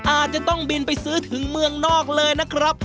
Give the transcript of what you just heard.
อาจจะต้องบินไปซื้อถึงเมืองนอกเลยนะครับ